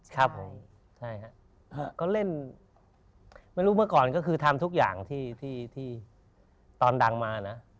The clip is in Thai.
ครับผมใช่ครับก็เล่นไม่รู้เมื่อก่อนก็คือทำทุกอย่างที่ตอนดังมานะ